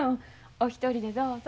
お一人でどうぞ。